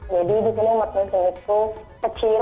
jadi di sini umat keselin itu kecil